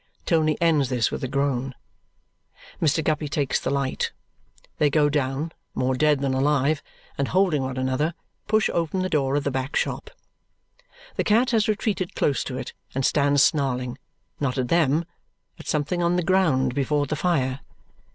Tony ends this with a groan. Mr. Guppy takes the light. They go down, more dead than alive, and holding one another, push open the door of the back shop. The cat has retreated close to it and stands snarling, not at them, at something on the ground before the fire.